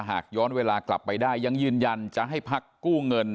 หากย้อนเวลากลับไปได้ยังยืนยันจะให้พักกู้เงิน